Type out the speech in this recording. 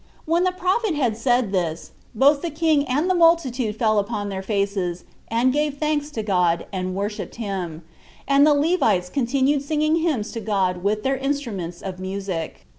When the prophet had said this, both the king and the multitude fell upon their faces, and gave thanks to God, and worshipped him; and the Levites continued singing hymns to God with their instruments of music.